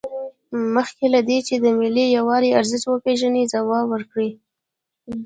مخکې له دې چې د ملي یووالي ارزښت وپیژنئ ځواب ورکړئ.